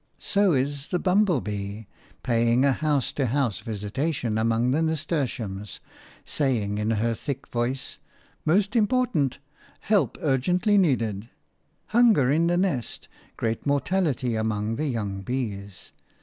So is the bumble bee, paying a house to house visitation among the nasturtiums, saying in her thick voice, "Most important – help urgently needed! Hunger in the nest – great mortality among the young bees!"